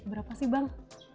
berapa sih bang